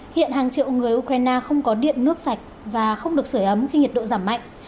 hiện hàng triệu người ukraine không có điện nước sạch và không được sửa ấm khi nhiệt độ giảm mạnh